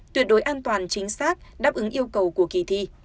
tuyệt đối an toàn chính xác đáp ứng yêu cầu của kỳ thi